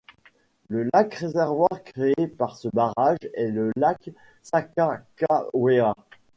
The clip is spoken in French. Le lac réservoir créé par ce barrage est le lac Sakakawea.